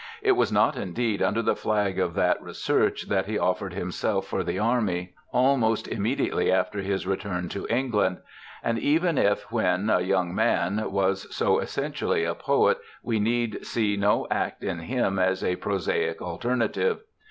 It was not indeed under the flag of that research that he offered himself for the Army almost immediately after his return to England and even if when a young man was so essentially a poet we need see no act in him as a prosaic alternative.